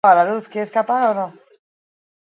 Oraingo honetan, egia ote da berak kontatu duen bizipena?